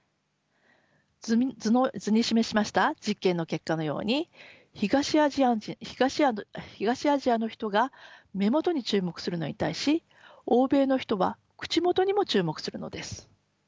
図に示しました実験の結果のように東アジアの人が目元に注目するのに対し欧米の人は口元にも注目するのです。